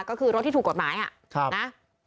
ก็คือรถที่ถูกกฎหมายนะ